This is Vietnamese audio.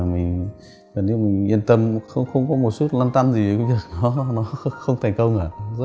mình yên tâm không có một chút lăn tăn gì nó không thành công cả